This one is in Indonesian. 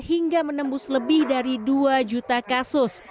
hingga menembus lebih dari dua juta kasus